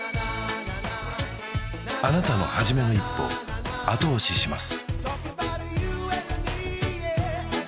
あなたの初めの一歩後押しします